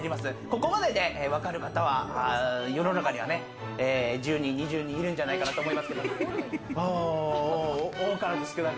ここまででわかる方は世の中にはね、１０人、２０人いるんじゃないかなと思いますけども。